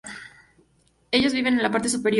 Ellas viven en la parte superior.